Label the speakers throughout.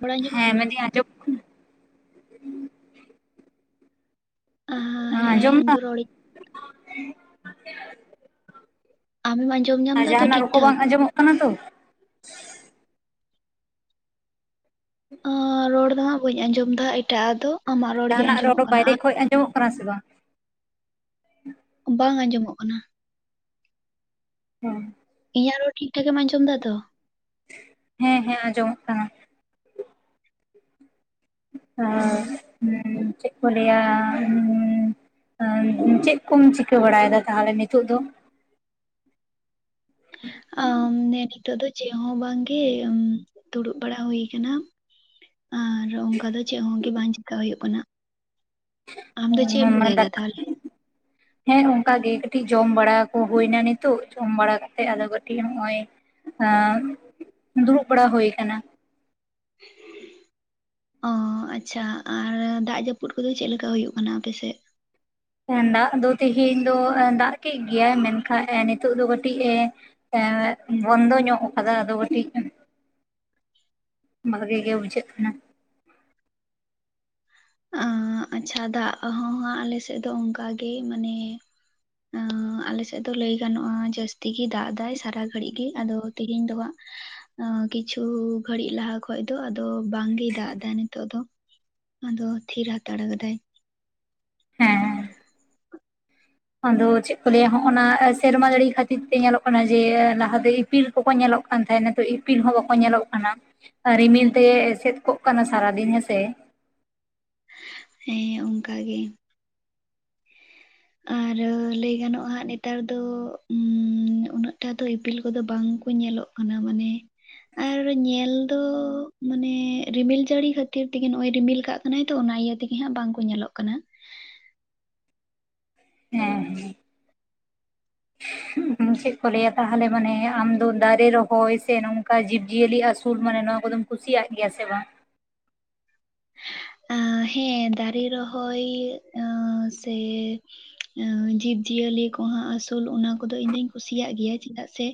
Speaker 1: ᱨᱚᱲ ᱟᱸᱡᱚᱢᱚᱜ
Speaker 2: ᱦᱮᱸ
Speaker 1: ᱠᱟᱱᱟ?
Speaker 2: ᱢᱮᱱ ᱫᱟᱹᱧ ᱟᱸᱡᱢᱚᱜ ᱠᱟᱱᱟ᱾
Speaker 1: ᱚ ᱦᱚ ᱦᱮᱸ ᱤᱧ ᱫᱚ ᱨᱚᱲᱤᱡ ᱟᱢᱮᱢ ᱟᱸᱡᱚᱢ ᱧᱟᱢ
Speaker 2: ᱟᱨ
Speaker 1: ᱮᱫᱟ ᱛᱚ
Speaker 2: ᱡᱟᱦᱟᱱᱟᱜ
Speaker 1: ᱴᱷᱤᱠ
Speaker 2: ᱨᱚᱠᱚ
Speaker 1: ᱴᱷᱟᱠ?
Speaker 2: ᱵᱟᱝ ᱟᱸᱡᱚᱢᱚᱜ ᱠᱟᱱᱟ ᱛᱚ᱾
Speaker 1: ᱟᱸ ᱨᱚᱲ ᱫᱚ ᱦᱟᱸᱜ ᱵᱟᱹᱧ ᱟᱸᱡᱚᱢ ᱮᱫᱟ ᱮᱴᱟᱜ ᱟᱜ ᱫᱚ ᱟᱢᱟᱜ ᱜᱮ
Speaker 2: ᱡᱟᱦᱟᱱᱟᱜ
Speaker 1: ᱟᱸᱡᱚᱢᱚᱜ
Speaker 2: ᱨᱚᱲ [inaudible]
Speaker 1: ᱠᱟᱱᱟ
Speaker 2: ᱵᱟᱭᱨᱮ
Speaker 1: ᱟᱨ
Speaker 2: ᱠᱷᱚᱡᱽ ᱟᱸᱡᱚᱢᱚᱜ ᱠᱟᱱᱟ ᱥᱮ ᱵᱟᱝ?
Speaker 1: ᱵᱟᱝ ᱟᱸᱡᱚᱢᱚᱜ ᱠᱟᱱᱟ,
Speaker 2: ᱦᱚᱸ
Speaker 1: ᱤᱧᱟᱹᱜ ᱨᱚᱲ ᱴᱷᱤᱠ ᱴᱷᱟᱠᱮᱢ ᱟᱸᱡᱚᱢ ᱫᱟ ᱛᱚ?
Speaker 2: ᱦᱮᱸ ᱦᱮᱸ ᱟᱸᱡᱚᱢᱚᱜ ᱠᱟᱱᱟ᱾ ᱟ
Speaker 1: ᱚ,
Speaker 2: ᱦᱮᱸ ᱪᱮ [unintelligible] ᱠᱚ ᱞᱟᱹᱭᱟ ᱩᱸ ᱩᱵ ᱪᱮᱫ ᱠᱚᱢ ᱪᱤᱠᱟᱹ ᱵᱟᱲᱟᱭᱮᱫᱟ ᱛᱟᱦᱚᱞᱮ ᱱᱤᱛᱚᱜ ᱫᱚ?
Speaker 1: ᱚᱸ ᱱᱤᱛᱚᱜ ᱫᱚ ᱪᱮᱫ ᱦᱚᱸ ᱵᱟᱝᱜᱮ, ᱩᱵ ᱫᱩᱲᱩᱵ ᱵᱟᱲᱟ ᱦᱩᱭ ᱟᱠᱟᱱᱟ ᱟᱨ ᱚᱱᱠᱟ ᱫᱚ ᱪᱮᱫ ᱦᱚᱸ ᱜᱮ ᱵᱟᱝ ᱪᱮᱠᱟ ᱦᱩᱭᱩᱜ ᱠᱟᱱᱟ᱾ ᱟᱢ ᱫᱚ ᱪᱮᱫ ᱮᱢ ᱪᱤᱠᱟᱹᱭᱮᱫᱟ ᱛᱟᱦᱚᱞᱮ?
Speaker 2: [unintelligible] ᱦᱮᱸ ᱱᱚᱝᱠᱟᱜᱮ ᱠᱟᱹᱴᱤᱡ ᱡᱚᱢ ᱵᱟᱲᱟ ᱠᱚ ᱦᱩᱭᱱᱟ ᱱᱤᱛᱚᱜ ᱡᱚᱢ ᱵᱟᱲᱟ ᱠᱟᱛᱮᱜ ᱟᱫᱚ ᱠᱟᱹᱴᱤᱡ ᱦᱚᱜ-ᱚᱭ ᱦᱮᱸ ᱫᱩᱲᱩᱵ ᱵᱟᱲᱟ ᱦᱩᱭ ᱟᱠᱟᱱᱟ᱾ [unintelligible]
Speaker 1: ᱚᱸ ᱟᱪᱪᱷᱟ ᱟᱨ ᱫᱟᱜ ᱡᱟᱹᱯᱩᱫ ᱠᱚᱫᱚ ᱪᱮᱫ ᱞᱮᱠᱟ ᱦᱩᱭᱩᱜ ᱠᱟᱱᱟ ᱟᱯᱮᱥᱮᱫ?
Speaker 2: ᱫᱟᱜ ᱫᱚ ᱛᱮᱦᱮᱧ ᱫᱚ ᱫᱟᱜ ᱠᱮᱫ ᱜᱮᱭᱟᱭ ᱢᱮᱱᱠᱟᱱ ᱱᱤᱛᱚᱜ ᱫᱚ ᱠᱟᱹᱴᱤᱡ ᱮ ᱮᱸᱜ ᱵᱚᱱᱫᱚ ᱧᱚᱜ ᱠᱟᱫᱟ ᱟᱫᱚ ᱵᱴᱤᱡ ᱵᱷᱟᱹᱜᱮ ᱜᱮ ᱵᱩᱡᱷᱟᱹᱜ ᱠᱟᱱᱟ᱾
Speaker 1: ᱟᱸᱜ ᱟᱪᱪᱷᱟ ᱫᱟᱜ ᱦᱚᱸ ᱦᱟᱸᱜ ᱟᱞᱮᱥᱮᱫ ᱫᱚ ᱚᱱᱠᱟ ᱜᱮ ᱢᱟᱱᱮ ᱟᱸᱜ ᱟᱞᱮᱥᱮᱫ ᱫᱚ ᱞᱟᱹᱭ ᱜᱟᱱᱚᱜᱼᱟ ᱡᱟᱹᱥᱛᱤ ᱛᱮᱜᱮ ᱫᱟᱜ ᱮᱫᱟᱭ ᱥᱟᱨᱟ ᱜᱷᱟᱹᱲᱤᱡ ᱜᱮ ᱟᱫᱚ ᱛᱮᱦᱮᱧ ᱫᱚ ᱦᱟᱸᱜ ᱮ ᱠᱤᱪᱷᱩ ᱜᱷᱟᱹᱲᱤᱡ ᱞᱟᱦᱟ [inaudible] ᱠᱷᱚᱡ ᱫᱚ ᱟᱫᱚ ᱵᱟᱝ ᱜᱮᱭ ᱫᱟᱜ ᱮᱫᱟ ᱱᱤᱛᱚᱜ ᱫᱚ ᱟᱫᱚ ᱛᱷᱤᱨ ᱦᱟᱛᱟᱲ ᱠᱟᱫᱟᱭ,
Speaker 2: ᱦᱮᱸᱻ ᱟᱫᱚ ᱪᱮᱫ ᱠᱚ ᱞᱟᱹᱭᱟ ᱦᱚᱜᱱᱟ ᱥᱮᱨᱢᱟ ᱡᱟᱹᱲᱤ ᱠᱷᱟᱹᱛᱤᱨ ᱛᱮ ᱧᱮᱞᱚᱜ ᱠᱟᱱᱟ ᱡᱮ ᱞᱟᱦᱟ ᱛᱮ ᱤᱯᱤᱞ ᱠᱚᱠᱚ ᱧᱮᱞᱚᱜ ᱠᱟᱱ ᱛᱟᱦᱮᱸᱱᱟ ᱱᱤᱛᱚᱜ ᱤᱯᱤᱞ ᱦᱚᱸ ᱵᱟᱠᱚ ᱧᱮᱞᱚᱜ ᱠᱟᱱᱟ᱾ ᱨᱤᱢᱤᱞ ᱛᱮ ᱮᱥᱮᱫ ᱠᱚᱜ ᱠᱟᱱᱟ ᱥᱟᱨᱟ ᱫᱤᱱ ᱦᱮᱸᱥᱮ,
Speaker 1: ᱦᱮᱸ ᱚᱱᱠᱟ ᱜᱮ, ᱟᱨ ᱞᱟᱹᱭ ᱜᱟᱱᱚᱜ-ᱟ ᱦᱟᱜ ᱱᱮᱛᱟᱨ ᱫᱚ ᱩᱸᱻᱜ ᱩᱱᱟᱹᱜᱴᱟ ᱫᱚ ᱤᱯᱤᱞ ᱠᱚᱫᱚ ᱵᱟᱝ ᱠᱚ ᱧᱮᱞᱚᱜ ᱠᱟᱱᱟ ᱢᱟᱱᱮ ᱟᱨ ᱧᱮᱞ ᱫᱚ ᱢᱟᱱᱮ ᱨᱤᱢᱤᱞ ᱡᱟᱹᱲᱤ ᱠᱷᱟᱹᱛᱤᱨ ᱛᱮᱜᱮ ᱱᱚᱜᱚᱭ ᱨᱤᱢᱤᱞ ᱠᱟᱜ ᱠᱟᱱᱟᱭ ᱛᱚ ᱚᱱᱟ ᱤᱭᱟᱹ ᱛᱮᱜᱮ ᱦᱟᱸᱜ ᱵᱟᱝᱠᱚ ᱧᱮᱞᱚᱜ ᱠᱟᱱᱟ,
Speaker 2: ᱦᱮᱸ ᱦᱮᱸ ᱪᱮᱫ ᱠᱚ ᱞᱟᱹᱭᱟ ᱛᱟᱦᱚᱞᱮ ᱢᱟᱱᱮ ᱟᱢᱫᱚ ᱫᱟᱨᱮ ᱨᱚᱦᱚᱭ ᱥᱮ ᱱᱚᱝᱠᱟ ᱡᱤᱵᱽ ᱡᱤᱭᱟᱹᱞᱤ ᱟᱥᱩᱞ ᱢᱟᱱᱮ ᱱᱚᱣᱟ ᱠᱚᱫᱚᱢ ᱠᱩᱥᱤᱭᱟᱜ ᱜᱮᱭᱟ ᱥᱮ ᱵᱟᱝ?
Speaker 1: ᱟᱸ ᱦᱮᱸ ᱫᱟᱨᱮ ᱨᱚᱦᱚᱭ ᱟᱹᱻ ᱥᱮ ᱟᱹᱻᱡᱤᱵᱼᱡᱤᱭᱟᱹᱞᱤ ᱠᱚᱦᱟᱚᱸ ᱟᱥᱩᱞ ᱚᱱᱟ ᱠᱚᱫᱚ ᱤᱧ ᱫᱩᱧ ᱠᱩᱥᱤᱭᱟᱜ ᱜᱮᱭᱟ ᱪᱮᱫᱟᱜ ᱥᱮ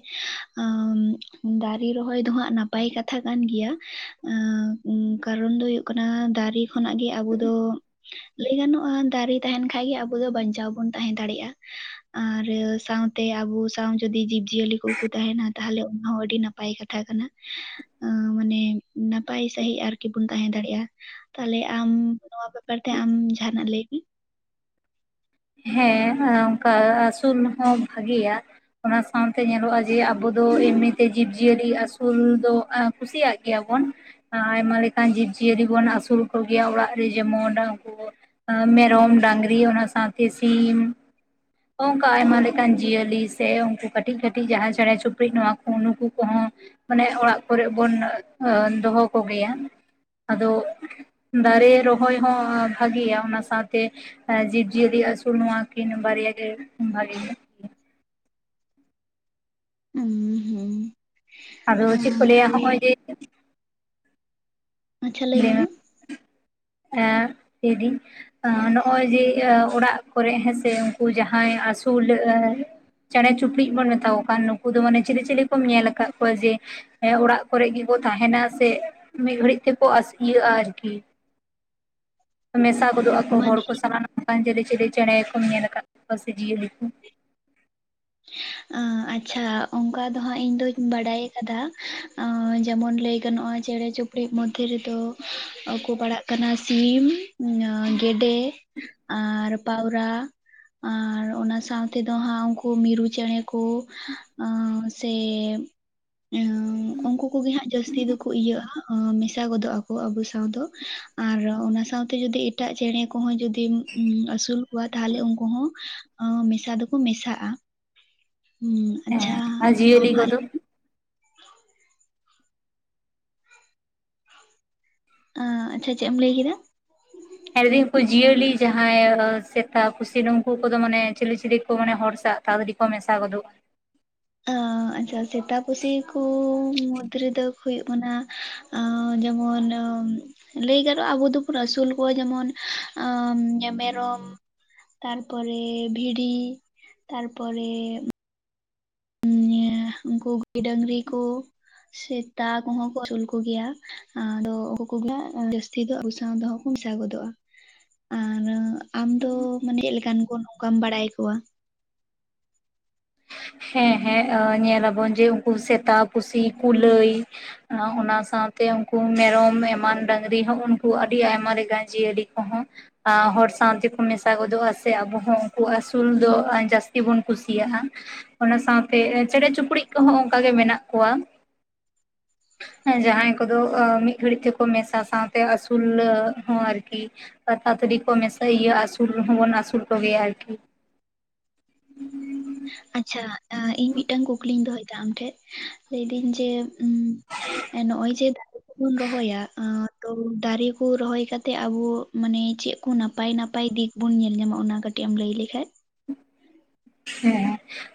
Speaker 1: ᱟᱸᱵ ᱫᱟᱨᱮ ᱨᱚᱦᱚᱭ ᱫᱚᱦᱟᱸᱜ ᱱᱟᱯᱟᱭ ᱠᱟᱛᱷᱟ ᱠᱟᱱ ᱜᱮᱭᱟ ᱟᱹᱻ ᱩᱵ ᱠᱟᱨᱚᱱ ᱫᱚ ᱦᱩᱭᱩᱜ ᱠᱟᱱᱟ ᱠᱟᱱᱟ ᱫᱟᱨᱮ ᱠᱷᱚᱱᱟᱜ ᱜᱮ ᱟᱵᱚ ᱫᱚ ᱞᱟᱹᱭ ᱜᱟᱱᱚᱜᱼᱟ ᱫᱟᱨᱮ ᱛᱟᱦᱮᱱ ᱠᱷᱟᱜ ᱟᱵᱚ ᱫᱚ ᱵᱟᱧᱪᱟᱣ ᱵᱚᱱ ᱛᱟᱦᱮᱸ ᱫᱟᱲᱮᱭᱟᱜᱼᱟ ᱟᱨ ᱥᱟᱶᱛᱮ ᱟᱵᱚ ᱥᱟᱶ ᱡᱩᱫᱤ ᱡᱤᱵᱽᱡᱤᱭᱟᱹᱞᱤ ᱠᱚᱠᱚ ᱛᱟᱦᱮᱱᱟ ᱛᱟᱦᱚᱞᱮ ᱚᱱᱟ ᱦᱚᱸ ᱟᱹᱰᱤ ᱱᱟᱯᱼᱼ ᱯᱟᱭ ᱠᱟᱛᱷᱟ ᱠᱟᱱᱟ ᱢᱟᱱᱮ ᱱᱟᱯᱟᱭ ᱥᱟᱺᱦᱤᱡ ᱟᱨᱠᱤ ᱵᱚᱱ ᱛᱟᱦᱮᱸᱟᱸ ᱫᱟᱲᱮᱭᱟᱜᱼᱟ ᱛᱟᱦᱚᱞᱮ ᱟᱢ ᱱᱚᱣᱟ ᱵᱮᱯᱟᱨ ᱛᱮ ᱟᱢ ᱡᱟᱦᱟᱸᱱᱟᱜ ᱞᱟᱹᱭ ᱢᱮ
Speaker 2: ᱦᱮᱸ ᱦᱚᱸ ᱚᱱᱠᱟ ᱟᱹᱥᱩᱞ ᱦᱚᱸ ᱵᱷᱟᱜᱤᱭᱟ ᱚᱱᱟ ᱥᱟᱶᱛᱮ ᱧᱮᱞᱚᱜᱼᱟ ᱡᱮ ᱟᱵᱚ ᱫᱚ ᱮᱢᱱᱤᱛᱮ ᱡᱤᱵᱽᱡᱤᱭᱟᱹᱞᱤ ᱟᱹᱥᱩᱞ ᱫᱚ ᱮᱢ ᱠᱩᱥᱤᱭᱟᱜ ᱜᱮᱭᱟᱵᱚᱱ᱾ ᱟᱭᱢᱟ ᱞᱮᱠᱟᱱ ᱡᱤᱵᱽᱡᱤᱭᱟᱹᱞᱤ ᱵᱚᱱ ᱟᱹᱥᱩᱞ ᱠᱚᱜᱮᱭᱟ ᱚᱲᱟᱜ ᱨᱮ ᱡᱮᱢᱚᱱ ᱩᱱᱠᱩ ᱠᱚ ᱢᱮᱨᱚᱢ ᱰᱟᱝᱨᱤ ᱚᱱᱟ ᱥᱟᱶᱛᱮ ᱥᱤᱢ ᱱᱚᱝᱠᱟ ᱟᱭᱢᱟ ᱞᱮᱠᱟᱱ ᱡᱤᱭᱟᱹᱞᱤ ᱥᱮ ᱩᱱᱠᱩ ᱠᱟᱹᱴᱤᱡ ᱠᱟᱹᱴᱤᱡ ᱡᱟᱦᱟᱸ ᱪᱮᱬᱮ ᱪᱤᱯᱲᱩᱫ ᱱᱚᱣᱟ ᱠᱚ ᱱᱩᱠᱩ ᱠᱚᱦᱚᱸ ᱢᱟᱱᱮ ᱚᱲᱟᱜ ᱠᱚᱨᱮᱜ ᱵᱩᱱ ᱫᱚᱦᱚ ᱠᱚᱜᱮᱭᱟ᱾ ᱟᱫᱚ ᱫᱟᱨᱮ ᱨᱚᱦᱚᱭ ᱦᱚᱸ ᱵᱷᱟᱜᱮᱭᱟ ᱚᱱᱟ ᱥᱟᱶᱛᱮ ᱡᱮᱵᱽ ᱡᱤᱭᱟᱹᱫᱤ ᱟᱥᱩᱞ ᱱᱚᱣᱟ ᱟᱠᱤ ᱱᱚᱵᱟᱨ ᱨᱮᱭᱟᱜ ᱜᱮ ᱵᱷᱟᱜᱮᱭᱟ᱾
Speaker 1: ᱚᱸ ᱦᱚᱸ
Speaker 2: ᱟᱫᱚ ᱪᱮᱫ ᱠᱚ ᱞᱟᱹᱭᱟ ᱦᱚᱸᱜᱼᱚᱭ ᱡᱮ
Speaker 1: ᱟᱪᱪᱷᱟ ᱞᱟᱹᱭ ᱢᱮ ᱢᱟ᱾
Speaker 2: ᱮᱸ ᱞᱮᱭᱫᱤᱧ ᱮᱸ ᱱᱚᱜᱼᱚᱭ ᱡᱮ ᱚᱲᱟᱜ ᱠᱚᱨᱮᱜ ᱦᱮᱸᱥᱮ ᱩᱱᱠᱩ ᱡᱟᱦᱟᱸᱭ ᱟᱹᱥᱩᱞ ᱮᱸ ᱪᱮᱬᱮ ᱪᱩᱯᱲᱩᱫ ᱵᱚᱱ ᱢᱮᱛᱣᱟ ᱠᱟᱱ ᱱᱩᱠᱩ ᱫᱚ ᱢᱟᱱᱮ ᱪᱤᱞᱤ ᱪᱤᱞᱤ ᱠᱚᱢ ᱧᱮᱞ ᱟᱠᱟᱫ ᱠᱚᱣᱟ ᱡᱮ ᱚᱲᱟᱜ ᱠᱚᱨᱮ ᱜᱮᱠᱚ ᱛᱟᱦᱮᱱᱟ ᱥᱮ ᱢᱤᱫ ᱜᱷᱟᱹᱲᱤᱡ ᱛᱮᱠᱚ ᱤᱭᱟᱹᱜᱼᱟ ᱟᱨᱠᱤ᱾ ᱢᱮᱥᱟ ᱜᱚᱫᱚᱜ ᱟᱠᱚ ᱦᱚᱲ
Speaker 1: ᱢᱟᱱᱮ
Speaker 2: ᱠᱚ ᱥᱟᱱᱟᱢ ᱚᱱᱠᱟᱱ ᱪᱮᱞᱮ ᱪᱮᱞᱮ ᱪᱮᱬᱮ ᱠᱚ ᱧᱮᱞ ᱟᱠᱟᱫᱠᱚᱣᱟ ᱥᱮ ᱡᱤᱭᱟᱹᱞᱤ ᱠᱚ᱾
Speaker 1: ᱟᱪᱪᱷᱟ ᱚᱱᱠᱟ ᱫᱚ ᱦᱟᱸᱜ ᱤᱧᱫᱚᱧ ᱵᱟᱰᱟᱭ ᱠᱟᱫᱟ ᱮᱸ ᱡᱮᱢᱚᱱ ᱞᱟᱹᱭ ᱜᱟᱱᱚᱜᱼᱟ ᱪᱮᱬᱮ ᱪᱤᱯᱲᱩ ᱢᱚᱫᱽᱫᱷᱮ ᱨᱮᱫᱚ [unintelligible] ᱯᱟᱲᱟᱜ ᱠᱟᱱᱟ ᱥᱤᱢ ᱜᱮᱰᱮ ᱟᱨ ᱯᱟᱣᱨᱟ ᱟᱨ ᱚᱱᱟ ᱥᱟᱶ ᱛᱮᱫᱚ ᱦᱟᱸᱜ ᱩᱱᱠᱩ ᱠᱚ ᱢᱤᱨᱩ ᱪᱮᱬᱮ ᱠᱚ ᱟᱸ ᱥᱮ ᱮ ᱩᱱᱠᱩ ᱠᱚᱜᱮ ᱦᱟᱸᱜ ᱡᱟᱹᱥᱛᱤ ᱫᱚᱠᱚ ᱤᱭᱟᱹᱜᱼᱟ ᱦᱟᱸᱜ᱾ ᱢᱮᱥᱟ ᱜᱚᱫᱚᱜ ᱟᱠᱚ ᱟᱵᱚ ᱥᱟᱶ ᱫᱚ ᱟᱨ ᱚᱱᱟ ᱥᱟᱶᱛᱮ ᱡᱩᱫᱤ ᱮᱴᱟᱜ ᱪᱮᱬᱮ ᱠᱚᱦᱚᱸ ᱡᱩᱫᱤ [unintelligible] ᱟᱹᱥᱩᱞ ᱠᱚᱣᱟ ᱛᱟᱦᱚᱞᱮ ᱩᱱᱠᱩ ᱦᱚᱸ ᱟᱸ ᱢᱮᱥᱟ ᱫᱚᱠᱚ ᱢᱮᱥᱟᱜᱼᱟ᱾ ᱦᱩᱸ ᱟᱪᱪᱷᱟ
Speaker 2: ᱦᱮᱸ ᱟᱨ ᱡᱤᱭᱟᱹᱞᱤ
Speaker 1: ᱟᱢ ᱦᱟᱸᱜ
Speaker 2: ᱠᱚᱫᱚ
Speaker 1: ᱟᱸ ᱟᱪᱪᱷᱟ ᱪᱮᱫ ᱮᱢ ᱞᱟᱹᱭ ᱠᱮᱫᱟ᱾
Speaker 2: [unintelligible] ᱠᱚ ᱡᱤᱭᱟᱹᱞᱤ ᱡᱟᱦᱟᱸᱭ ᱥᱮᱛᱟ ᱠᱩᱥᱤ ᱱᱩᱝᱠᱩ ᱠᱚᱫᱚ ᱢᱟᱱᱮ ᱪᱤᱞᱤ ᱪᱤᱞᱤ ᱠᱚ ᱢᱟᱱᱮ ᱦᱚᱲ ᱥᱟ ᱛᱟᱲᱟᱛᱟᱲᱤ ᱠᱚ ᱢᱮᱥᱟ ᱜᱚᱫᱚᱜᱼᱟ᱾
Speaker 1: ᱟᱸ ᱟᱪᱪᱷᱟ ᱥᱮᱛᱟ ᱯᱩᱥᱤ ᱠᱚ ᱢᱩᱫᱽ ᱨᱮᱫᱚ ᱦᱩᱭᱩᱜ ᱠᱟᱱᱟ ᱟᱸ ᱡᱮᱢᱚᱱ ᱞᱟᱹᱭ ᱜᱟᱱᱚᱜᱼᱟ ᱟᱵᱚ ᱫᱚᱵᱚᱱ ᱟᱹᱥᱩᱞ ᱠᱚᱣᱟ ᱟᱸ ᱡᱮᱢᱚᱱ ᱢᱮᱨᱚᱢ, ᱛᱟᱨᱯᱚᱨᱮ ᱵᱷᱤᱲᱤ, ᱛᱟᱨᱯᱚᱨᱮ [unintelligible] ᱩᱱᱠᱩ ᱜᱟᱹᱭ ᱰᱟᱝᱨᱤ ᱠᱚ ᱥᱮᱛᱟ ᱠᱚᱦᱚᱸ ᱠᱚ ᱟᱹᱥᱩᱞ ᱠᱚ ᱜᱮᱭᱟ᱾ ᱟᱫᱚ ᱩᱱᱠᱩ ᱠᱚᱜᱮ ᱡᱟᱹᱥᱛᱤ ᱫᱚ ᱟᱵᱩ ᱥᱟᱶ ᱫᱚ ᱦᱟᱸ ᱠᱚ ᱢᱮᱥᱟ ᱜᱚᱫᱚᱜᱼᱟ᱾ ᱟᱨ ᱟᱢᱫᱚ ᱢᱟᱱᱮ ᱪᱮᱫ ᱞᱮᱠᱟᱱ ᱠᱚ ᱱᱚᱝᱠᱟᱢ ᱵᱟᱲᱟᱭ ᱟᱠᱚᱣᱟ᱾
Speaker 2: ᱦᱮᱸ ᱦᱮᱸ ᱟ ᱧᱮᱞᱟᱵᱚᱱ ᱡᱮ ᱩᱱᱠᱩ ᱥᱮᱛᱟ ᱯᱩᱥᱤ ᱠᱩᱞᱟᱹᱭ᱾ ᱚᱱᱟ ᱥᱟᱶᱛᱮ ᱩᱱᱠᱩ ᱢᱮᱨᱚᱢ ᱮᱢᱟᱱ ᱰᱟᱝᱨᱤ ᱦᱚᱸ ᱩᱱᱠᱩ ᱟᱹᱰᱤ ᱟᱭᱢᱟ ᱞᱮᱠᱟᱱ ᱡᱤᱭᱟᱹᱞᱤ ᱠᱚᱦᱚᱸ ᱟᱸ ᱦᱚᱲ ᱥᱟᱶ ᱛᱮᱠᱚ ᱢᱮᱥᱟ ᱜᱚᱫᱚᱜᱼᱟ ᱥᱮ ᱟᱵᱚ ᱦᱚᱸ ᱩᱱᱠᱩ ᱟᱹᱥᱩᱞ ᱫᱚ ᱡᱟᱹᱥᱛᱤ ᱵᱚᱱ ᱠᱩᱥᱤᱭᱟᱜᱼᱟ᱾ ᱚᱱᱟ ᱥᱟᱶᱛᱮ ᱪᱮᱬᱮ ᱪᱩᱯᱲᱩᱫ ᱠᱚᱦᱚᱸ ᱚᱱᱠ ᱜᱮ ᱢᱮᱱᱟᱜ ᱠᱚᱣᱟ᱾ ᱡᱟᱦᱟᱸᱭ ᱠᱚᱫᱚ ᱢᱤᱫ ᱜᱷᱟᱹᱲᱤᱡ ᱛᱮᱠᱚ ᱢᱮᱥᱟ ᱥᱟᱶᱛᱮ ᱟᱹᱥᱩᱞ ᱦᱚᱸ ᱟᱨᱠᱤ᱾ ᱯᱟᱛᱟ ᱛᱟᱹᱲᱤ ᱠᱚ ᱢᱮᱥᱟ ᱤᱭᱟᱹ ᱟᱹᱥᱩᱞ ᱨᱮᱦᱚᱸ ᱵᱚᱱ ᱟᱹᱥᱩᱞ ᱠᱚᱜᱮᱭᱟ ᱟᱨᱠᱤ᱾
Speaker 1: ᱟᱪᱪᱷᱟ ᱤᱧ ᱢᱤᱫᱴᱟᱝ ᱠᱩᱠᱞᱤᱧ ᱫᱚᱦᱚᱭᱮᱫᱟ ᱟᱢᱴᱷᱮᱱ ᱞᱟᱹᱭᱫᱟᱹᱧ ᱡᱮ ᱩ ᱱᱚᱜᱼᱚᱭ ᱡᱮ ᱫᱟᱨᱮ ᱠᱚᱵᱩᱱ ᱨᱚᱦᱚᱭᱟ ᱟᱸᱜ ᱛᱚ ᱫᱟᱨᱮ ᱠᱚ ᱨᱚᱦᱚᱭ ᱠᱟᱛᱮᱜ ᱟᱵᱚ ᱢᱟᱱᱮ ᱪᱮ ᱠᱚ ᱱᱟᱯᱟᱭ ᱱᱟᱯᱟᱭ ᱫᱤᱠ ᱵᱚᱱ ᱧᱮᱞ ᱧᱟᱢᱟ ᱚᱱᱟ ᱠᱟᱹᱴ ᱴᱤᱡ ᱮᱢ ᱞᱟᱹᱭ ᱞᱮᱠᱷᱟᱡ
Speaker 2: ᱦᱮᱸ᱾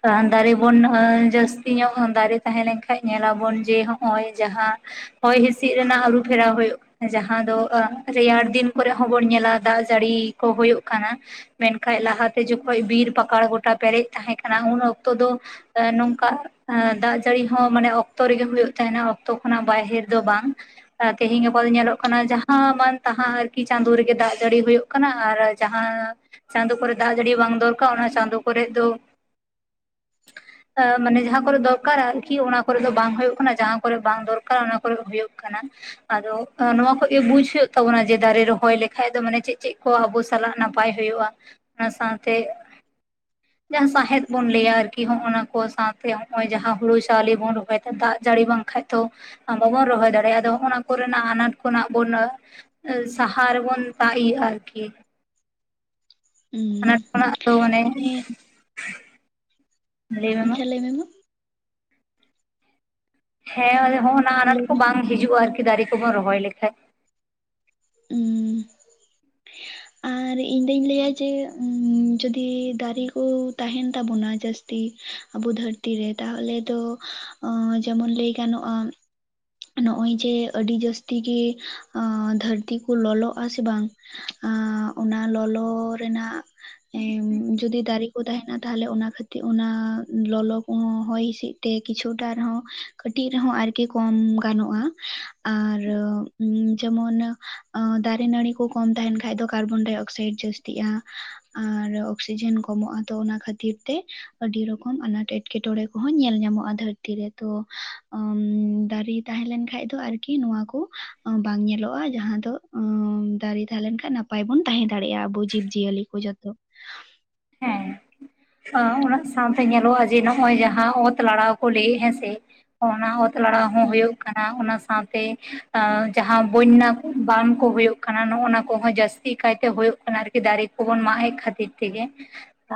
Speaker 2: ᱨᱟᱱ ᱫᱟᱨᱮ ᱵᱚᱱ ᱦᱟᱸ ᱡᱟᱹᱥᱛᱤ ᱧᱚᱜ ᱫᱟᱨᱮ ᱛᱟᱦᱮᱸ ᱞᱮᱝᱠᱷᱟᱡ, ᱧᱮᱞᱟᱵᱚᱱ ᱡᱮ ᱦᱚᱸᱜᱼᱚᱭ ᱡᱟᱦᱟᱸ ᱦᱚᱭ-ᱦᱤᱥᱤᱜ ᱨᱮᱱᱟᱜ ᱟᱹᱨᱩ ᱯᱷᱮᱨᱟᱣ ᱦᱩᱭᱩᱜ ᱡᱟᱦᱟᱸ ᱫᱚ ᱟᱸ ᱨᱮᱭᱟᱲ ᱫᱤᱱ ᱠᱚᱨᱮ ᱦᱚᱸ ᱵᱚᱱ ᱧᱮᱞᱟ ᱫᱟᱜ ᱡᱟᱹᱲᱤ ᱠᱚ ᱦᱩᱭᱩᱜ ᱠᱟᱱᱟ᱾ ᱢᱮᱱ ᱠᱷᱟᱡ ᱞᱟᱦᱟ ᱛᱮ ᱡᱚᱠᱷᱚᱡ ᱵᱤᱨ, ᱯᱟᱠᱟᱲ ᱜᱚᱴᱟ ᱯᱮᱨᱮᱡ ᱛᱟᱦᱮᱸ ᱠᱟᱱᱟ᱾ ᱩᱱ ᱚᱠᱛᱚ ᱫᱚ ᱮᱸ ᱱᱚᱝᱠᱟ ᱟᱸ ᱫᱟᱜ ᱡᱟᱹᱲᱤ ᱦᱚᱸ ᱢᱟᱱᱮ ᱚᱠᱛᱚ ᱨᱮᱜᱮ ᱦᱩᱭᱩᱜ ᱛᱟᱦᱮᱱᱟ᱾ ᱚᱠᱛᱚ ᱠᱷᱚᱱᱟᱜ ᱵᱟᱦᱮᱹᱨ ᱫᱚ ᱵᱟᱝ᱾ ᱟ ᱛᱮᱹᱦᱮᱹᱧ ᱜᱟᱯᱟ ᱣᱚ ᱧᱮᱞᱚᱜ ᱠᱟᱱᱟ ᱡᱟᱦᱟᱸ ᱢᱟᱱ ᱛᱟᱦᱟᱸ ᱟᱨᱠᱤ ᱪᱟᱸᱫᱳ ᱨᱮᱜᱮ ᱫᱟᱜ ᱡᱟᱹᱲᱤ ᱦᱳᱭᱳᱜ ᱠᱟᱱᱟᱻ ᱟᱨ ᱡᱟᱦᱟᱸ ᱪᱟᱸᱫᱳ ᱠᱚᱨᱮ ᱫᱟᱜ ᱡᱟᱹᱲᱤ ᱵᱟᱝ ᱫᱚᱨᱠᱟ ᱚᱱᱟ ᱪᱟᱸᱫᱳ ᱠᱚᱨᱮᱜ ᱫᱚ [inaudible] ᱟ ᱢᱟᱱᱮ ᱡᱟᱦᱟᱸ ᱠᱚᱨᱮ ᱫᱚᱨᱠᱟᱨᱟ ᱟᱨᱠᱤ ᱚᱱᱟ ᱠᱚᱨᱮ ᱫᱚ ᱵᱟᱝ ᱦᱩᱭᱩᱜ ᱠᱟᱱᱟ, ᱡᱟᱦᱟᱸ ᱠᱚᱨᱮ ᱵᱟᱝ ᱫᱚᱨᱠᱟᱨᱟ ᱚᱱᱟ ᱠᱚᱨᱮ ᱦᱩᱭᱩᱜ ᱠᱟᱱᱟ᱾ ᱟᱫᱚ ᱟᱸ ᱱᱚᱣᱟ ᱠᱷᱚᱡ ᱜᱮ ᱵᱩᱡ ᱦᱩᱭᱩᱜ ᱛᱟᱵᱚᱱᱟ ᱡᱮ ᱫᱟᱨᱮ ᱨᱚᱦᱚᱭ ᱞᱮᱠᱷᱟᱡ ᱫᱚ ᱢᱟᱱᱮ ᱪᱮᱜ-ᱪᱮᱜ ᱠᱚ ᱟᱵᱚᱥ ᱥᱟᱞᱟᱜ ᱱᱟᱯᱟᱭ ᱦᱩᱭᱩᱜᱼᱟ ᱚᱱᱟ ᱥᱟᱶᱛᱮ ᱡᱟᱦᱟᱸ 'ᱥᱟᱸᱦᱮᱫ' ᱵᱚᱱ ᱞᱟᱹᱭᱟᱨᱠᱤ ᱦᱚᱜᱼᱚᱱᱟ ᱠᱚ, ᱥᱟᱶᱛᱮ ᱦᱚᱸᱜᱼᱚᱭ ᱡᱟᱦᱟᱸ ᱦᱩᱲᱩ ᱪᱟᱣᱞᱮ ᱵᱚᱱ ᱨᱚᱦᱚᱭᱫᱟ ᱫᱟᱜ ᱡᱟᱹᱲᱤ ᱵᱟᱝ ᱠᱷᱟᱡ ᱛᱚ ᱟᱸ ᱵᱟᱵᱚᱱ ᱨᱚᱦᱚᱭ ᱫᱟᱲᱮ ᱟᱫᱚ, ᱦᱚᱜᱼᱚᱱᱟ ᱠᱚᱨᱮᱱᱟᱜ ᱟᱱᱟᱴ ᱠᱚᱱᱟᱜ ᱵᱚᱱ ᱟᱺ ᱥᱟᱦᱟ ᱨᱮ ᱵᱚᱱ ᱛᱟ ᱤᱭᱟᱹ ᱟᱨᱠᱤ᱾ ᱟᱱᱟᱴ
Speaker 1: ᱦᱮᱸ
Speaker 2: ᱠᱷᱚᱱᱟᱜ ᱫᱚ ᱢᱟᱱᱮ
Speaker 1: ᱪᱷᱮ ᱞᱟᱹᱭ ᱢᱮ ᱢᱟ?
Speaker 2: ᱦᱮᱸ, ᱟᱫᱚ ᱦᱚᱸᱜ-ᱚᱱᱟ ᱟᱱᱟᱴ
Speaker 1: ᱞᱟᱹᱭ
Speaker 2: ᱠᱚ
Speaker 1: ᱢᱮ
Speaker 2: ᱵᱟᱝ ᱦᱤᱡᱩ ᱟᱨᱠᱤ ᱫᱟᱨᱮ ᱠᱚᱵᱚᱱ ᱨᱚᱦᱚᱭ ᱞᱮᱠᱷᱟᱡ᱾
Speaker 1: ᱩᱸ᱾
Speaker 2: [inaudible]
Speaker 1: ᱟᱨ ᱤᱧ ᱫᱚᱹᱧ ᱞᱟᱹᱭᱟ ᱡᱮ ᱩᱸ ᱩᱸ ᱡᱚᱫᱤ ᱫᱟᱨᱮ ᱠᱩ ᱛᱟᱦᱮᱱ ᱛᱟᱵᱚᱱᱟ ᱡᱟᱹᱥᱛᱤ ᱟᱵᱚ ᱫᱷᱟᱹᱨᱛᱤ ᱨᱮ ᱛᱟᱦᱚᱞᱮ ᱛᱚ ᱚᱸ ᱡᱮᱢᱚᱱ ᱞᱟᱹᱭ ᱜᱟᱱᱚᱜᱼᱟᱸ ᱱᱚᱜᱼᱚᱭ ᱡᱮ ᱟᱹᱰᱤ ᱡᱟᱹᱥᱛᱤ ᱜᱮᱹ ᱟᱸ ᱫᱷᱟᱹᱨᱛᱤ ᱠᱚ ᱞᱚᱞᱚᱜ ᱟᱥᱮ ᱵᱟᱝ? ᱟᱸ ᱚᱱᱟ ᱞᱚᱞᱚ ᱨᱮᱱᱟᱜ ᱮᱢ ᱡᱩᱫᱤ ᱫᱟᱨᱮ ᱠᱚ ᱛᱟᱦᱮᱱᱟ ᱛᱟᱦᱞᱮ ᱚᱱᱟ ᱠᱷᱟᱹᱛᱤ ᱚᱱᱟ ᱞᱚᱞᱚ ᱠᱚᱦᱚᱸ ᱦᱚᱭ ᱦᱤᱸᱥᱤᱫ ᱛᱮ ᱠᱤᱪᱷᱩᱴᱟ ᱨᱮᱦᱚᱸ ᱠᱟᱹᱴᱤᱡ ᱨᱮᱦᱚᱸ ᱟᱨᱠᱤ ᱠᱚᱢ ᱜᱟᱱᱚᱜᱼᱟᱸ ᱟᱨ ᱩᱸ ᱡᱮᱢᱚᱱ ᱟᱸ ᱫᱟᱨᱮ, ᱱᱟᱹᱲᱤ ᱠᱚ ᱠᱚᱢ ᱛᱟᱦᱮᱱ ᱠᱷᱟᱡ ᱫᱚ 'ᱠᱟᱨᱵᱚᱱᱰᱟᱭ ᱚᱠᱥᱟᱭᱤᱰ' ᱡᱟᱹᱥᱛᱤᱜᱼᱟᱸ᱾ ᱟᱨ ᱚᱠᱥᱤᱡᱮᱱ ᱠᱚᱢᱚᱜᱼᱟ ᱛᱚ ᱚᱱᱟ ᱠᱷᱟᱹᱛᱤᱨ ᱛᱮ ᱟᱹᱰᱤ ᱨᱚᱠᱚᱢ ᱟᱱᱟᱴ ᱮᱸᱴᱠᱮᱴᱚᱬᱮ ᱠᱚᱦᱚᱸ ᱧᱮᱞ ᱧᱟᱢᱚᱜᱼᱟ ᱫᱷᱟᱹᱨᱛᱤ ᱨᱮ ᱛᱚ ᱩᱸ ᱫᱟᱨᱤ ᱛᱟᱦᱮᱸ ᱞᱮᱱ ᱠᱷᱟᱡ ᱫᱚ ᱟᱨᱠᱤ ᱱᱚᱣᱟ ᱠᱚ ᱟᱸ ᱵᱟᱝ ᱧᱮᱞᱚᱜᱼᱟ᱾ ᱡᱟᱦᱟᱸ ᱫᱚ ᱟᱸ ᱫᱟᱨᱮ ᱛᱟᱦᱮᱸ ᱞᱮᱱ ᱠᱷᱟᱡ ᱱᱟᱯ- -ᱯᱟᱭ ᱵᱚᱱ ᱛᱟᱦᱮᱸ ᱫᱟᱲᱮᱜᱼᱟ ᱟᱵᱚ ᱡᱤᱵᱽ-ᱡᱤᱭᱟᱹᱞᱤ ᱠᱚ ᱡᱚᱛᱚ᱾
Speaker 2: ᱦᱮᱸ᱾ ᱚᱸ ᱩᱱᱟᱹᱜ ᱥᱟᱶᱛᱮ ᱧᱮᱞᱚᱜᱼᱟ, ᱡᱮ ᱱᱚᱜᱼᱚᱭ ᱡᱟᱦᱟᱸ ᱚᱛ ᱞᱟᱲᱟᱣ ᱠᱚ ᱞᱟᱹᱭᱮᱹᱜ ᱦᱮᱸᱥᱮ ᱚᱱᱟ ᱚᱛ ᱛᱟᱞᱟᱲᱟᱣ ᱦᱚᱸ ᱦᱩᱭᱩᱜ ᱠᱟᱱᱟ ᱚᱱᱟ ᱥᱟᱶᱛᱮ ᱟᱸ ᱡᱟᱦᱟᱸ ᱵᱚᱹᱧᱱᱟ ᱠᱚ, ᱵᱟᱱ ᱠᱚ ᱦᱩᱭᱩᱜ ᱠᱟᱱᱟ ᱱᱚᱜᱼᱱᱟ ᱠᱚᱦᱚᱸ ᱡᱟᱥ- -ᱛᱤ ᱠᱟᱭᱛᱮ ᱦᱩᱭᱩᱜ ᱠᱟᱱᱟ ᱟᱨᱠᱤ ᱫᱟᱨᱮ ᱠᱚᱵᱚᱱ ᱢᱟᱜ ᱮᱜ ᱠᱷᱟᱹᱛᱤᱨ ᱛᱮᱜᱮ᱾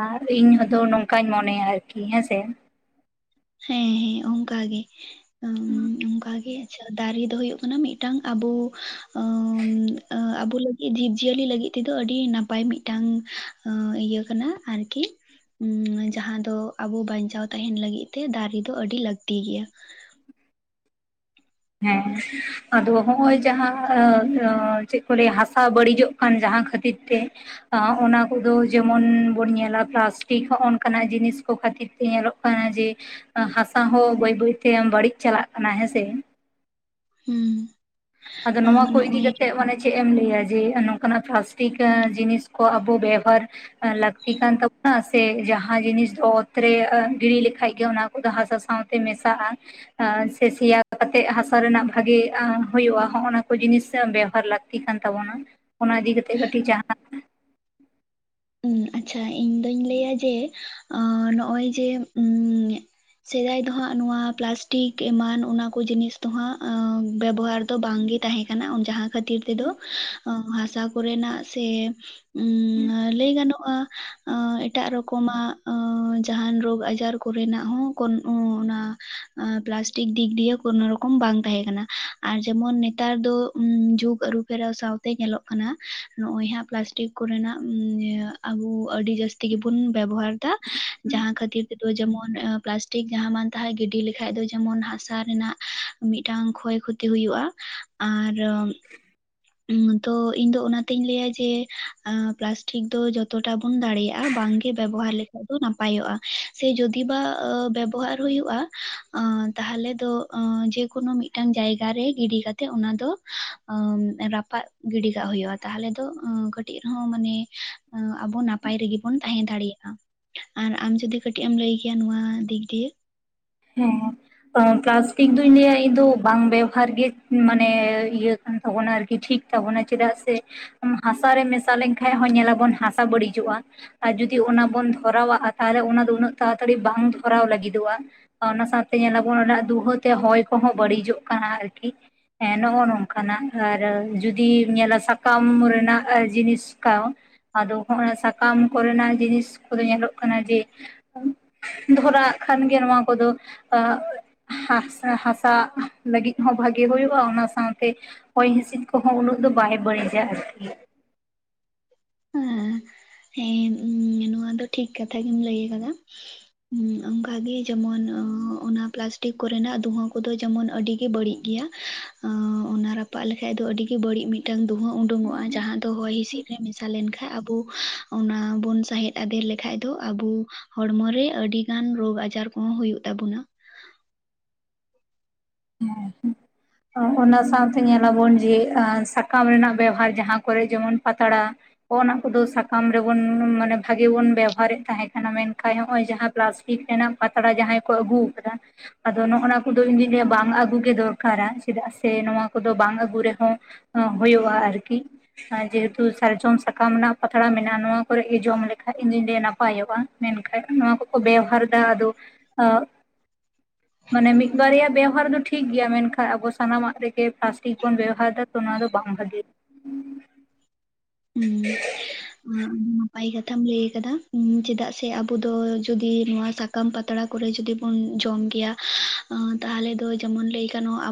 Speaker 2: ᱟᱨ ᱤᱧ ᱦᱚᱸᱛᱚ ᱱᱚᱝᱠᱟᱧ ᱢᱚᱱᱮ ᱭᱟᱨᱠᱤ ᱦᱮᱸᱥᱮ᱾
Speaker 1: ᱦᱮᱸ-ᱦᱮᱸ, ᱚᱝᱠᱟᱜᱮ ᱟᱼᱢ ᱚᱝᱠᱟᱜᱮ᱾ ᱪᱷᱟ ᱫᱟᱨᱮ ᱫᱚ ᱦᱩᱭᱩᱜ ᱠᱟᱱᱟ ᱢᱤᱜᱴᱟᱝ ᱟᱵᱚ ᱟᱸ ᱟᱸ ᱟᱵᱚ ᱞᱟᱹᱜᱤᱜ, ᱡᱤᱵᱽ-ᱡᱤᱭᱟᱹᱞᱤ ᱞᱟᱹᱜᱤᱫ ᱛᱮᱫᱚ ᱟᱹᱰᱤ ᱱᱟᱯᱟᱭ ᱢᱤᱜᱴᱟᱝ ᱟᱸ ᱤᱭᱟᱹ ᱠᱟᱱᱟ ᱟᱨᱠᱤ᱾ ᱩᱸ ᱡᱟᱦᱟᱸ ᱫᱚ ᱟᱵᱚ ᱵᱟᱧᱪᱟᱣ ᱛᱟᱦᱮᱱ ᱞᱟᱹᱜᱤᱫ ᱛᱮ ᱫᱟᱨᱮ, ᱫᱚ ᱟᱹᱰᱤ ᱞᱟᱹᱠᱛᱤ ᱜᱮᱭᱟ᱾
Speaker 2: ᱦᱮᱸ, ᱟᱫᱚ ᱦᱚᱸᱜᱼᱚᱭ ᱡᱟᱦᱟᱸ ᱟᱸ ᱟᱹ ᱪᱮᱜ ᱠᱚ ᱞᱟᱹᱭᱟ ᱦᱟᱥᱟ ᱵᱟᱹᱲᱤᱡᱚᱜ ᱟᱢ ᱡᱟᱦᱟ ᱠᱷᱟᱹᱛᱤᱨ ᱛᱮ ᱟᱸ ᱚᱱᱟ ᱠᱚᱫᱚ ᱡᱮᱢᱚᱱ ᱵᱚᱱ ᱧᱮᱞᱟ ᱯᱞᱟᱥᱴᱤᱠ ᱦᱚᱸ ᱚᱱᱠᱟᱱᱟᱜ ᱡᱤᱱᱤᱥ ᱠᱚ ᱠᱷᱟᱹᱛᱤᱨ ᱛᱮ ᱧᱮᱞᱚᱜ ᱠᱟᱱᱟ ᱠᱟᱱᱟ ᱡᱮ, ᱦᱟᱥᱟ ᱦᱚᱸ ᱵᱟᱹᱭ ᱵᱟᱹᱭᱛᱮ ᱵᱟᱹᱲᱤᱡ ᱪᱟᱞᱟᱜ ᱠᱟᱱᱟ ᱦᱮᱸᱥᱮ?
Speaker 1: ᱦᱩᱸ᱾
Speaker 2: ᱟᱫᱚ ᱱᱚᱣᱟ ᱠᱚ ᱤᱫᱤ
Speaker 1: ᱱᱚᱜᱼᱚᱭ
Speaker 2: ᱠᱟᱛᱮᱜ ᱢᱟᱱᱮ ᱪᱮᱜ ᱮᱢ ᱞᱟᱹᱭᱟ ᱡᱮ ᱱᱚᱝᱠᱟᱱᱟᱜ ᱯᱞᱟᱥᱴᱤᱠ ᱡᱤᱱᱤᱥ ᱠᱚ ᱟᱵᱚ ᱵᱮᱣᱦᱟᱨ ᱞᱟᱹᱠᱛᱤ ᱠᱟᱱ ᱛᱟᱵᱚᱱᱟ ᱥᱮ ᱡᱟᱦᱟᱸ ᱡᱤᱱᱤᱥ ᱫᱚ ᱚᱛᱨᱮ ᱜᱤᱲᱤ ᱞᱮᱠᱷᱟᱡ ᱜᱮ ᱚᱱᱟ ᱠᱩ ᱫᱚ ᱦᱟᱥᱟ ᱥᱟᱶᱛᱮ ᱢᱮᱥᱟᱜᱼᱟ, ᱥᱮ ᱥᱮᱭᱟ ᱠᱟᱛᱮᱜ ᱦᱟᱥᱟ ᱨᱮᱱᱟᱜ ᱵᱷᱟᱜᱤ ᱦᱳᱭᱳᱜᱼᱟ᱾ ᱦᱚᱸᱜ ᱚᱱᱟ ᱠᱚ ᱡᱤᱱᱤᱥ ᱵᱮᱣᱦᱟᱨ ᱞᱟᱹᱠᱛᱤ ᱠᱟᱱ ᱛᱟᱵᱚᱱᱟ ᱚᱱᱟ ᱤᱫᱤ ᱠᱟᱛᱮᱜ ᱠᱟᱹᱴᱤᱡ ᱡᱟᱸᱦᱟᱱᱟᱜ
Speaker 1: ᱩᱸ ᱟᱪᱪᱷᱟ, ᱤᱧ ᱫᱚᱧ ᱞᱟᱹᱭᱟ ᱡᱮ ᱟᱸ ᱱᱚᱜᱼᱚᱭ ᱡᱮ ᱩᱸ ᱥᱮᱫᱟᱭ ᱫᱚ ᱦᱟᱸᱜ ᱱᱚᱣᱟ ᱯᱞᱟᱥᱴᱤᱠ ᱮᱢᱟᱱ ᱚᱱᱟ ᱠᱚ ᱡᱤᱱᱤᱥ ᱫᱚ ᱦᱟᱸᱜ ᱵᱮᱵᱚᱦᱟᱨ ᱫᱚ ᱵᱟᱝᱜᱮ ᱛᱟᱦᱮᱸ ᱠᱟᱱᱟ᱾ ᱡᱟᱦᱟᱸ ᱠᱷᱟᱹᱛᱤᱨ ᱛᱮᱫᱚ ᱦᱟᱥᱟ ᱠᱚᱨᱮᱱᱟᱜ ᱥᱮ ᱩᱸ ᱟᱨ ᱟᱸ ᱮᱴᱟᱜ ᱨᱚᱠᱚᱢᱟᱜ ᱟᱸ ᱡᱟᱦᱟᱱ ᱨᱳᱜᱽ ᱟᱡᱟᱨ ᱠᱚᱨᱮᱱᱟᱜ ᱦᱚᱸ ᱠᱚᱱ ᱚᱸ ᱚᱱᱟ ᱟᱸ ᱯᱞᱟᱥᱴᱤᱠ ᱫᱤᱠ ᱫᱤᱭᱮ ᱠᱳᱱᱳ ᱨᱚᱠᱚᱢ ᱵᱟᱝ ᱛᱟᱦᱮᱸᱠᱟᱱᱟ᱾ ᱟᱨ ᱡᱮᱢᱚᱱ ᱱᱮᱛᱟᱨ ᱫᱚ ᱩᱸ ᱡᱷᱩᱜᱽ ᱟᱹᱨᱩ ᱯᱷᱮᱨᱟᱣ ᱥᱟᱶᱛᱮ ᱧᱮᱞᱚᱜ ᱠᱟᱱᱟ ᱱᱚᱜ ᱚᱭ ᱦᱟᱸᱜ ᱯᱞᱟᱥᱴᱤᱠ ᱠᱚᱨᱮᱱᱟᱜ ᱩᱸᱻᱮ ᱟᱵᱚ ᱟᱹᱰᱤ ᱡᱟᱹᱥᱛᱤ ᱜᱮᱵᱚᱱ ᱵᱮᱵᱚᱦᱟᱨ ᱫᱟ ᱡᱟᱦᱟᱸ ᱠᱷᱟᱹᱛᱤᱨ ᱛᱮᱫᱚ ᱡᱮᱢᱚᱱ ᱯᱞᱟᱥᱼᱼ ᱴᱤᱠ ᱡᱟᱦᱟᱸ ᱢᱟᱱ ᱛᱟᱦᱟᱸ ᱜᱤᱰᱤ ᱞᱮᱠᱷᱟᱡ ᱫᱚ ᱡᱮᱢᱚᱱ ᱦᱟᱥᱟ ᱨᱮᱱᱟᱜ ᱢᱤᱫᱴᱟᱝ ᱠᱷᱚᱭ ᱠᱷᱚᱛᱤ ᱦᱩᱭᱩᱜᱼᱟ᱾ ᱟᱨ ᱛᱚ ᱤᱧ ᱫᱚ ᱚᱱᱟᱛᱮᱧ ᱞᱟᱹᱭᱟ ᱡᱮ ᱯᱞᱟᱥᱴᱤᱠ ᱛᱚ ᱡᱚᱛᱚᱴᱟ ᱵᱚᱱ ᱫᱟᱲᱮᱭᱟᱜᱼᱟ ᱵᱟᱝᱜᱮ ᱵᱮᱵᱚᱦᱟᱨ ᱞᱮᱠᱷᱟᱡ ᱫᱚ ᱱᱟᱯᱟᱭᱚᱜᱼᱟ᱾ ᱥᱮ ᱡᱩᱫᱤ ᱵᱟ ᱵᱮᱵᱚᱦᱟᱨ ᱦᱩᱭᱩᱜᱼᱟ, ᱟᱸ ᱛᱟᱦᱚᱞᱮ ᱫᱚ ᱟᱸ ᱡᱮᱠᱳᱱᱳ ᱢᱤᱫᱴᱟᱝ ᱡᱟᱭᱜᱟ ᱨᱮ ᱜᱤᱰᱤ ᱠᱟᱛᱮᱜ ᱚᱱᱟ ᱫᱚ ᱟᱸ ᱨᱟᱯᱟᱜ ᱜᱤᱰᱤ ᱠᱟᱜ ᱦᱩᱭᱩᱜᱼᱟ᱾ ᱛᱟᱦᱞᱮ ᱫᱚ ᱠᱟᱹᱴᱤᱡ ᱨᱮᱦᱚᱸ ᱢᱟᱱᱮ ᱟᱵᱚ ᱱᱟᱯᱟᱭ ᱨᱮᱜᱮᱵᱩᱱ ᱛᱟᱦᱮᱸ ᱫᱟᱲᱮᱭᱟᱜᱼᱟ᱾ ᱟᱨ ᱟᱢ ᱡᱚᱫᱤ ᱠᱟᱹᱴᱤᱡ ᱮᱢ ᱞᱟᱹᱭ ᱠᱮᱭᱟ ᱱᱚᱶᱟ ᱫᱤᱠ ᱫᱤᱭᱮ᱾
Speaker 2: ᱦᱮᱸ, ᱯᱞᱟᱥᱴᱤᱠ ᱫᱚᱧ ᱞᱟᱹᱭᱟ ᱤᱧ ᱫᱚ ᱵᱟᱝ ᱵᱮᱣᱦᱟᱨ ᱜᱮ ᱢᱟᱱᱮ ᱤᱭᱟᱹ ᱛᱟᱵᱚᱱᱟ ᱟᱨᱠᱤ ᱴᱷᱤᱠ ᱛᱟᱵᱚᱱᱟ ᱪᱮᱫᱟᱜ ᱥᱮ ᱦᱟᱥᱟᱨᱮ ᱢᱮᱥᱟ ᱞᱮᱱᱠᱟᱡ ᱦᱚᱸ ᱧᱮᱞᱟᱵᱚᱱ ᱦᱟᱥᱟ ᱵᱟᱹᱲᱤᱡᱚᱜᱼᱟ᱾ ᱟᱨ ᱡᱩᱫᱤ ᱚᱱᱟ ᱵᱚᱱ ᱫᱷᱚᱨᱟᱣᱟ ᱟᱨ ᱛᱟᱦᱚᱞᱮ ᱚᱱᱟ ᱫᱚ ᱩᱱᱟᱹᱜ ᱛᱟᱲᱟᱛᱟᱹᱲᱤ ᱵᱟᱝ ᱫᱷᱚᱨᱟᱣ ᱞᱟᱹᱜᱤᱫᱚᱜᱼᱟ᱾ ᱚᱱᱟ ᱥᱟᱶᱛᱮ ᱧᱮᱞᱟᱵᱚᱱ ᱚᱱᱟ ᱨᱮᱱᱟᱜ ᱫᱩᱦᱟᱹᱛᱮ ᱦᱚᱭ ᱠᱚᱦᱚᱸ ᱵᱟᱹᱲᱤᱡᱚᱜ ᱠᱟᱱᱟ ᱟᱨᱠᱤ ᱦᱮᱸ ᱱᱚᱜ-ᱚ ᱱᱚᱝᱠᱟᱱᱟᱜ, ᱟᱨ ᱡᱩᱫᱤᱢ ᱧᱮᱞᱟ ᱥᱟᱠᱟᱢ ᱨᱮᱱᱟᱜ ᱡᱤᱱᱤᱥ ᱠᱟᱣ ᱟᱫᱚ ᱦᱚᱸᱜ-ᱚᱭ ᱥᱟᱠᱟᱢ ᱠᱚᱨᱮᱱᱟᱜ ᱡᱤᱱᱤᱥ ᱠᱚᱫᱚ ᱧᱮᱞᱚᱜ ᱠᱟᱱᱟ ᱡᱮ ᱫᱷᱚᱨᱟᱜ ᱠᱷᱟᱱᱜᱮᱭᱟ ᱱᱚᱣᱟ ᱠᱚᱫᱚ ᱦᱟᱥ ᱦᱟᱥᱟ ᱞᱟᱹᱜᱤᱫ ᱦᱚᱸ ᱵᱷᱟᱜᱤ ᱦᱩᱭᱩᱜᱼᱟ, ᱚᱱᱟ ᱥᱟᱶᱛᱮ ᱦᱚᱭ ᱦᱤᱸᱥᱤᱫ ᱠᱚᱦᱚᱸ ᱩᱱᱟᱹᱜ ᱫᱚ ᱵᱟᱭ ᱵᱟᱹᱲᱤᱡᱟ ᱟᱨᱠᱤ᱾
Speaker 1: ᱮᱸ, ᱦᱮᱸ ᱱᱚᱣᱟ ᱫᱚ ᱴᱷᱤᱠ ᱠᱟᱛᱷᱟ ᱜᱮᱢ ᱞᱟᱹᱭ ᱟᱠᱟᱫᱟ᱾ ᱚᱝᱠᱟᱜᱮ ᱡᱮᱢᱚᱱ ᱚᱱᱟ ᱯᱞᱟᱥᱴᱤᱠ ᱠᱚᱨᱮᱱᱟᱜ ᱫᱩᱸᱦᱟᱹ ᱠᱚᱫᱚ ᱡᱮᱢᱚᱱ ᱟᱹᱰᱤ ᱜᱮ ᱵᱟᱹᱲᱤᱡ ᱜᱮᱭᱟ᱾ ᱟᱸ ᱚᱱᱟ ᱨᱟᱯᱟᱜ ᱞᱮᱠᱷᱟᱡ ᱫᱚ ᱟᱹᱰᱤ ᱜᱮ ᱵᱟᱹᱲᱤᱡ ᱢᱤᱫᱴᱟᱝ ᱫᱩᱸᱦᱟᱸ ᱩᱰᱩᱝᱚᱜᱼᱟ ᱡᱟᱦᱟᱸ ᱫᱚ ᱦᱚᱭ ᱦᱤᱸᱥᱤᱫ ᱨᱮ ᱢᱮᱥᱟ ᱞᱮᱱᱠᱷᱟᱱ ᱟᱵᱚ ᱚᱱᱟ ᱵᱚᱱ ᱥᱟᱦᱮᱸᱫ ᱟᱫᱮᱨ ᱞᱮᱠᱷᱟᱡ ᱫᱚ ᱟᱵᱚ ᱦᱚᱲᱢᱚ ᱨᱮ ᱟᱹᱰᱤ ᱟᱰᱤ ᱜᱟᱱ ᱨᱳᱜᱽ ᱟᱡᱟᱨ ᱠᱚᱦᱚᱸ ᱦᱳᱭᱳᱜ ᱛᱟᱵᱚᱱᱟ᱾
Speaker 2: ᱚᱱᱟ ᱥᱟᱶᱛᱮ ᱧᱮᱞᱟᱵᱚᱱ ᱡᱮ ᱮᱸ ᱥᱟᱠᱟᱢ ᱨᱮᱱᱟᱜ ᱵᱮᱣᱦᱟᱨ ᱡᱟᱦᱟᱸ ᱠᱚᱨᱮᱜ ᱡᱮᱢᱚᱱ ᱯᱟᱛᱲᱟ, ᱚᱱᱟ ᱠᱚᱫᱚ ᱥᱟᱠᱟᱢ ᱨᱮᱵᱚᱱ ᱢᱟᱱᱮ ᱵᱷᱟᱜᱤ ᱵᱚᱱ ᱵᱮᱣᱦᱟᱨᱮᱫ ᱛᱟᱦᱮᱸ ᱠᱟᱱᱟ, ᱢᱮᱱᱠᱷᱟᱡ ᱦᱚᱸᱜ ᱚᱭ ᱡᱟᱦᱟᱸ ᱯᱞᱟᱥᱴᱼᱼ ᱴᱤᱠ ᱨᱮᱱᱟᱜ ᱯᱟᱛᱲᱟ ᱡᱟᱦᱟᱸᱟᱭ ᱠᱚ ᱟᱹᱜᱩ ᱠᱟᱫᱟ ᱟᱫᱚ ᱱᱚᱜ-ᱚ ᱱᱚᱶᱟ ᱠᱚᱫᱚ ᱤᱧ ᱫᱚᱧ ᱞᱟᱹᱭᱟ ᱵᱟᱝ ᱟᱹᱜᱩ ᱜᱮ ᱫᱚᱨᱠᱟᱨᱟ᱾ ᱪᱮᱫᱟᱜ ᱥᱮ ᱱᱚᱣᱟ ᱠᱚᱫᱚ ᱵᱟᱝ ᱟᱹᱜᱩ ᱨᱮᱦᱚᱸ ᱦᱩᱭᱩᱜᱼᱟ ᱟᱨᱠᱤ᱾ ᱡᱮᱦᱮᱛᱩ ᱥᱟᱨᱡᱚᱢ ᱥᱟᱠᱟᱢ ᱨᱮᱱᱟᱜ ᱯᱟᱛᱲᱟ ᱢᱮᱱᱟᱜᱼᱟ ᱱᱚᱣᱟ ᱠᱚᱨᱮᱜ ᱜᱮ ᱡᱚᱢ ᱞᱮᱠᱷᱟᱡ ᱤᱧ ᱫᱚᱧ ᱞᱟᱹᱭᱟ ᱱᱟᱯᱟᱭᱚᱜᱼᱟ᱾ ᱢᱮᱱᱠᱷᱟᱡ ᱱᱚᱣᱟ ᱠᱚᱠᱚ ᱵᱮᱣᱦᱟᱨ ᱫᱟ ᱟᱫᱚ ᱚᱜ ᱢᱟᱱᱮ ᱢᱤᱫ ᱵᱟᱨᱭᱟ ᱵᱮᱣᱦᱟᱨ ᱫᱚ ᱴᱷᱤᱠ ᱜᱮᱭᱟ ᱢᱮᱱᱠᱷᱟᱡ ᱟᱵᱚ ᱥᱟᱱᱟᱢᱟᱜ ᱨᱮᱜᱮ ᱯᱞᱟᱥᱴᱤᱠ ᱵᱚᱱ ᱵᱮᱣᱦᱟᱨ ᱫᱟ ᱛᱚ ᱱᱚᱶᱟ ᱫᱚ ᱵᱟᱝ ᱵᱷᱟᱜᱤ
Speaker 1: ᱦᱩᱸ ᱟᱹᱰᱤ ᱱᱟᱯᱟᱭ ᱠᱟᱛᱷᱟᱢ ᱞᱟᱹᱭ ᱠᱟᱫᱟ ᱪᱮᱫᱟᱜ ᱥᱮ ᱟᱵᱚ ᱫᱚ ᱡᱩᱫᱤ ᱱᱚᱣᱟ ᱥᱟᱠᱟᱢ ᱯᱟᱛᱲᱟ᱾ ᱠᱚᱨᱮ ᱡᱩᱫᱤ ᱵᱚᱱ ᱡᱚᱢ ᱜᱮᱭᱟ᱾ ᱚᱸ ᱛᱟᱦᱚᱞᱮ ᱫᱚ ᱡᱮᱢᱚᱱ ᱞᱟᱹᱭ ᱜᱟᱱᱚᱜ ᱟᱵᱚ